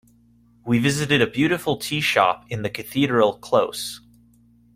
We visited a beautiful teashop in the Cathedral close.